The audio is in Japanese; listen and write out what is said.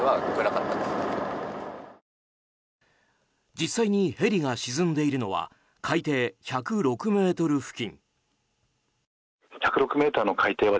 実際にヘリが沈んでいるのは海底１０６ｍ付近。